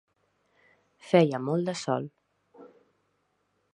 Feia molt de sol.